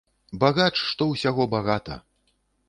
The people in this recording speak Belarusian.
Багач, што ўсяго багата.